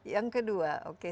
yang kedua oke